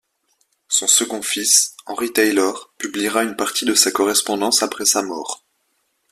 Son second fils, Henry Taylor, publiera une partie de sa correspondance après sa mort.